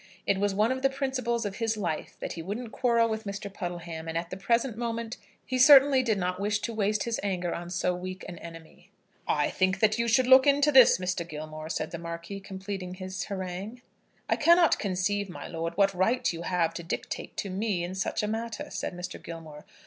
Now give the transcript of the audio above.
It was one of the principles of his life that he wouldn't quarrel with Mr. Puddleham; and at the present moment he certainly did not wish to waste his anger on so weak an enemy. "I think that you should look to this, Mr. Gilmore," said the Marquis, completing his harangue. "I cannot conceive, my lord, what right you have to dictate to me in such a matter," said Mr. Gilmore.